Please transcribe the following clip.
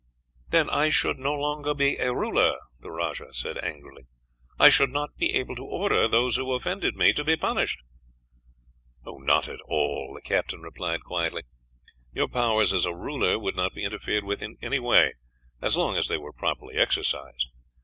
"Then I should no longer be a ruler," the rajah said angrily. "I should not be able to order those who offended me to be punished." "Not at all," the captain replied quietly. "Your powers as a ruler would not be interfered with in any way, as long as they were properly exercised.